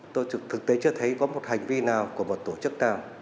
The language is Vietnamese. tôi thực tế chưa thấy có một hành vi nào của một tổ chức nào